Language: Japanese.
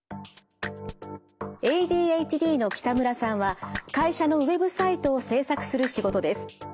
ＡＤＨＤの北村さんは会社のウェブサイトを制作する仕事です。